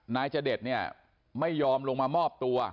นายจเดชเนี่ยไม่ยอมลงมามอบตัว